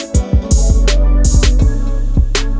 kau bakal jawab